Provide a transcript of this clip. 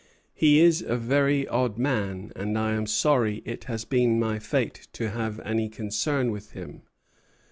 He is a very odd man, and I am sorry it has been my fate to have any concern with him.